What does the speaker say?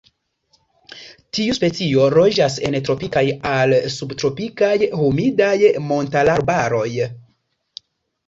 Tiu specio loĝas en tropikaj al subtropikaj, humidaj montararbaroj.